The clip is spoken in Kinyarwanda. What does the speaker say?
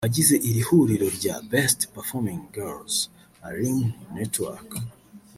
abagize iri huriro rya “Best Performing Girls alumni network”